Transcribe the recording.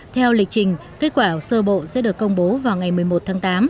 theo lịch trình kết quả sơ bộ sẽ được công bố vào ngày một mươi một tháng tám